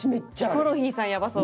ヒコロヒーさんやばそう。